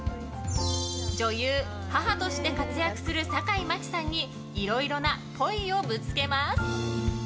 女優、母として活躍する坂井真紀さんにいろいろなっぽいをぶつけます。